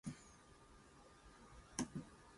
The airport will also have a pilot training school.